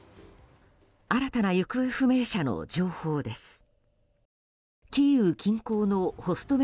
新たな行方不明者の情報です。